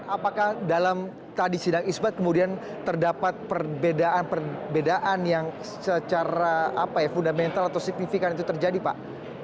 apakah dalam tadi sidang isbat kemudian terdapat perbedaan perbedaan yang secara fundamental atau signifikan itu terjadi pak